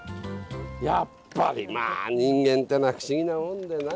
やっぱりまあ人間ってのは不思議なもんで。